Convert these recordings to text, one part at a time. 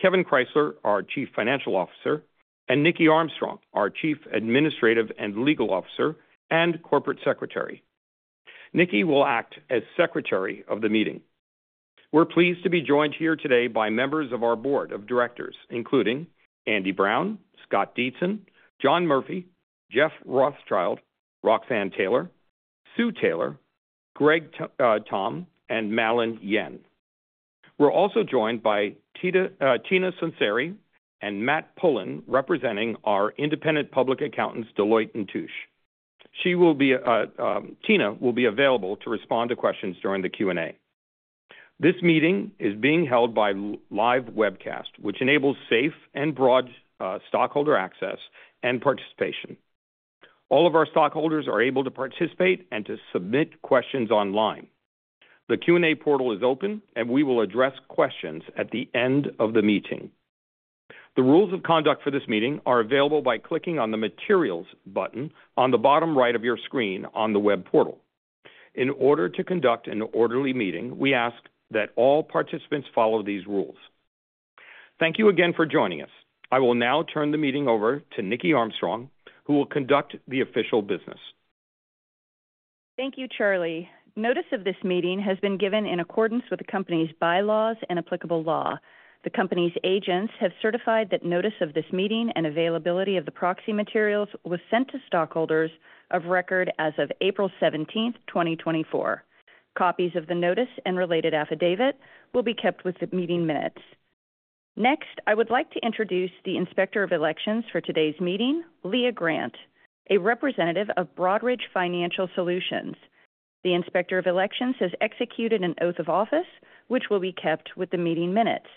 Kevan Krysler, our Chief Financial Officer, and Niki Armstrong, our Chief Administrative and Legal Officer and Corporate Secretary. Niki will act as Secretary of the Meeting. We're pleased to be joined here today by members of our Board of Directors, including Andy Brown, Scott Dietzen, John Murphy, Jeff Rothschild, Roxanne Taylor, Sue Taylor, Greg Tomb, and Mallun Yen. We're also joined by Tina Sunseri and Matt Pullen representing our independent public accountants, Deloitte & Touche. Tina will be available to respond to questions during the Q&A. This meeting is being held by live webcast, which enables safe and broad stockholder access and participation. All of our stockholders are able to participate and to submit questions online. The Q&A portal is open, and we will address questions at the end of the meeting. The rules of conduct for this meeting are available by clicking on the Materials button on the bottom right of your screen on the web portal. In order to conduct an orderly meeting, we ask that all participants follow these rules. Thank you again for joining us. I will now turn the meeting over to Niki Armstrong, who will conduct the official business. Thank you, Charlie. Notice of this meeting has been given in accordance with the company's bylaws and applicable law. The company's agents have certified that notice of this meeting and availability of the proxy materials was sent to stockholders of record as of April 17th, 2024. Copies of the notice and related affidavit will be kept with the meeting minutes. Next, I would like to introduce the Inspector of Elections for today's meeting, Leah Grant, a representative of Broadridge Financial Solutions. The Inspector of Elections has executed an oath of office, which will be kept with the meeting minutes.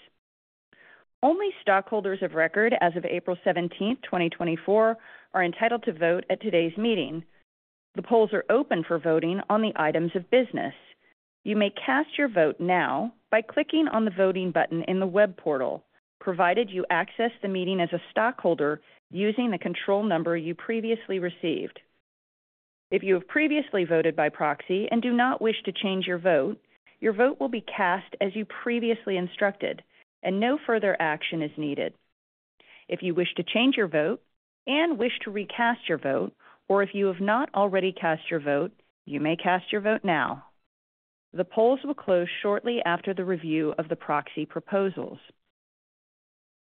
Only stockholders of record as of April 17th, 2024, are entitled to vote at today's meeting. The polls are open for voting on the items of business. You may cast your vote now by clicking on the voting button in the web portal, provided you access the meeting as a stockholder using the control number you previously received. If you have previously voted by proxy and do not wish to change your vote, your vote will be cast as you previously instructed, and no further action is needed. If you wish to change your vote and wish to recast your vote, or if you have not already cast your vote, you may cast your vote now. The polls will close shortly after the review of the proxy proposals.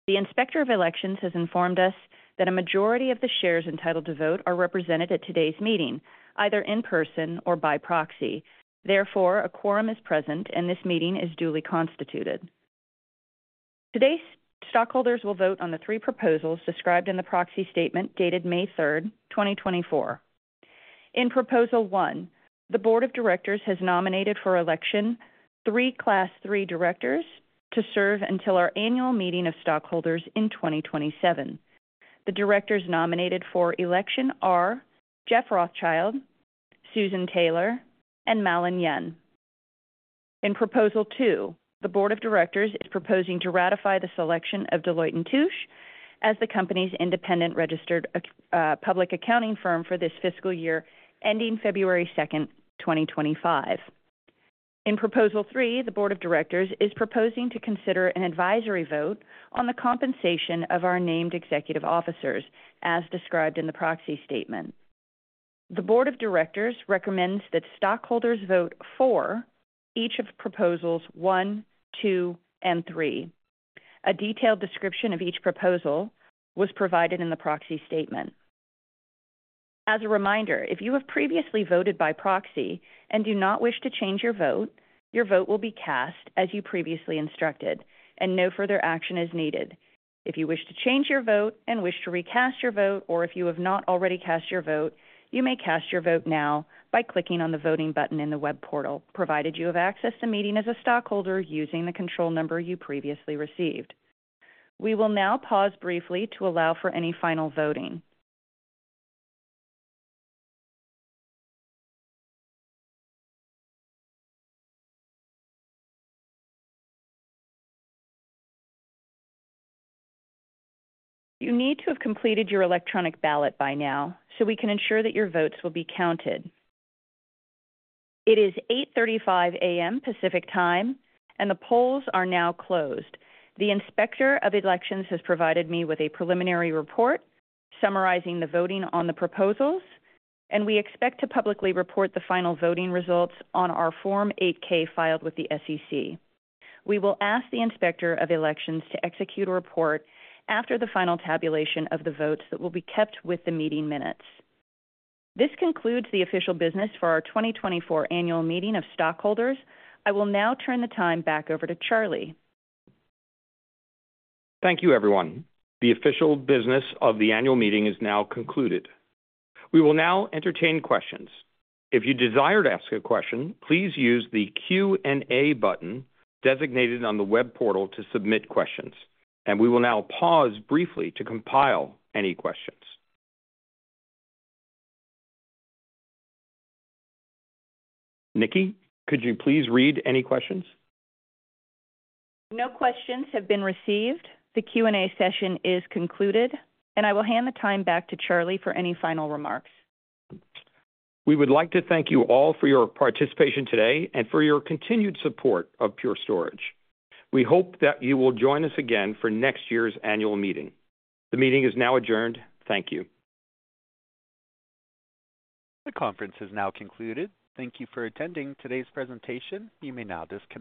The Inspector of Elections has informed us that a majority of the shares entitled to vote are represented at today's meeting, either in person or by proxy. Therefore, a quorum is present, and this meeting is duly constituted. Today's stockholders will vote on the three proposals described in the proxy statement dated May 3rd, 2024. In Proposal One, the Board of Directors has nominated for election three Class III directors to serve until our annual meeting of stockholders in 2027. The directors nominated for election are Jeff Rothschild, Susan Taylor, and Mallun Yen. In Proposal Two, the Board of Directors is proposing to ratify the selection of Deloitte & Touche as the company's independent registered public accounting firm for this fiscal year, ending February 2nd, 2025. In Proposal Three, the Board of Directors is proposing to consider an advisory vote on the compensation of our named executive officers, as described in the proxy statement. The Board of Directors recommends that stockholders vote for each of Proposals One, Two, and Three. A detailed description of each proposal was provided in the proxy statement. As a reminder, if you have previously voted by proxy and do not wish to change your vote, your vote will be cast as you previously instructed, and no further action is needed. If you wish to change your vote and wish to recast your vote, or if you have not already cast your vote, you may cast your vote now by clicking on the voting button in the web portal, provided you have access to meeting as a stockholder using the control number you previously received. We will now pause briefly to allow for any final voting. You need to have completed your electronic ballot by now so we can ensure that your votes will be counted. It is 8:35 A.M. Pacific Time, and the polls are now closed. The Inspector of Elections has provided me with a preliminary report summarizing the voting on the proposals, and we expect to publicly report the final voting results on our Form 8-K filed with the SEC. We will ask the Inspector of Elections to execute a report after the final tabulation of the votes that will be kept with the meeting minutes. This concludes the official business for our 2024 annual meeting of stockholders. I will now turn the time back over to Charlie. Thank you, everyone. The official business of the annual meeting is now concluded. We will now entertain questions. If you desire to ask a question, please use the Q&A button designated on the web portal to submit questions, and we will now pause briefly to compile any questions. Niki, could you please read any questions? No questions have been received. The Q&A session is concluded, and I will hand the time back to Charlie for any final remarks. We would like to thank you all for your participation today and for your continued support of Pure Storage. We hope that you will join us again for next year's annual meeting. The meeting is now adjourned. Thank you. The conference is now concluded. Thank you for attending today's presentation. You may now disconnect.